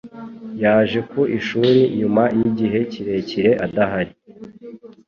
Yaje ku ishuri nyuma yigihe kirekire adahari.